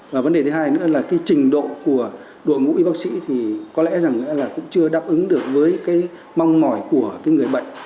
và vấn đề thứ hai nữa là cái trình độ của đội ngũ y bác sĩ thì có lẽ rằng là cũng chưa đáp ứng được với cái mong mỏi của cái người bệnh